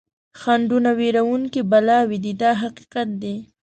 خنډونه وېروونکي بلاوې دي دا حقیقت دی.